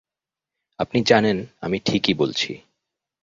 আপনি জানেন আমি ঠিকই বলছি।